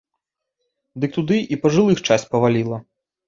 Дык туды і пажылых часць паваліла.